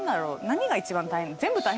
何が一番大変。